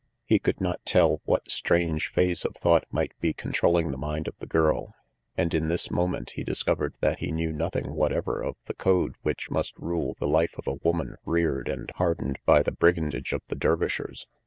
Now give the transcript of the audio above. He could not tell what strange phase of thought might be con trolling the mind of the girl, and in this moment he discovered that he knew nothing whatever of the code which must rule the life of a woman reared and hardened by the brigandage of the Dervishers.